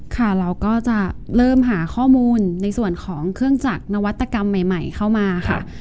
ค่ะเราก็จะเริ่มหาข้อมูลในส่วนของเครื่องจักรนวัตกรรมใหม่เข้ามาค่ะ